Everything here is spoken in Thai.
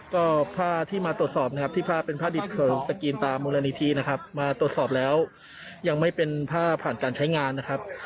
ก็ผ้าที่มาตรวจสอบนะครับที่ผ้าเป็นผ้าดิบเคยสกรีนตามมูลนิธินะครับมาตรวจสอบแล้วยังไม่เป็นผ้าผ่านการใช้งานนะครับ